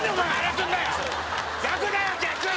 逆だよ逆！